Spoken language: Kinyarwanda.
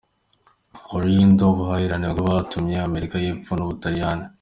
Oriundo: Ubuhahirane bw’abatuye Amerika y’Epfo n’u Butaliyani.